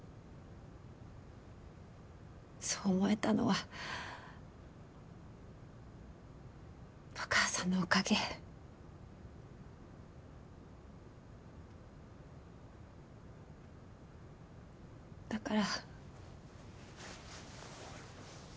そう思えたのはお母さんのおかげ。だから。